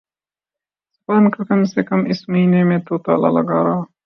زبان پر کم سے کم اس مہینے میں تو تالا لگا رہے